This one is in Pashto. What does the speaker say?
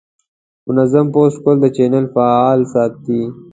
منظم پوسټ کول د چینل فعال ساتي.